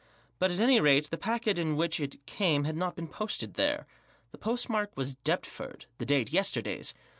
But, at any rate, the packet in which it came had not been posted there. The postmark was Deptford ; the date yesterday's.